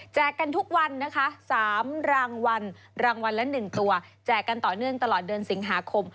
กันทุกวันนะคะ๓รางวัลรางวัลละ๑ตัวแจกกันต่อเนื่องตลอดเดือนสิงหาคม